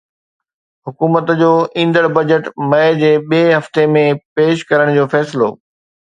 حڪومت جو ايندڙ بجيٽ مئي جي ٻئي هفتي ۾ پيش ڪرڻ جو فيصلو